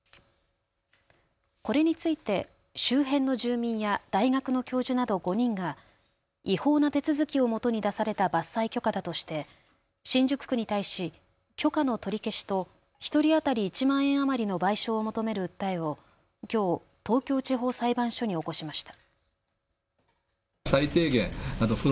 これについて周辺の住民や大学の教授など５人が違法な手続きをもとに出された伐採許可だとして新宿区に対し許可の取り消しと１人当たり１万円余りの賠償を求める訴えをきょう東京地方裁判所に起こしました。